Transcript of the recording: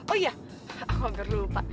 oh iya aku gak lupa